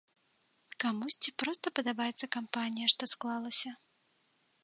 Камусьці проста падабаецца кампанія, што склалася.